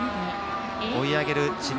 追い上げる智弁